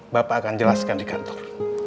bapak akan jelaskan di kantor